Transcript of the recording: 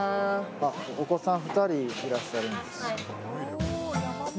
お子さん２人いらっしゃるんですね